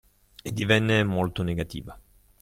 e divenne molto negativa.